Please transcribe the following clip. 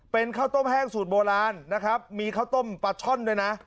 เป็นข้าวต้มแห้งสูตรโบราณนะครับมีข้าวต้มปลาช่อนด้วยนะ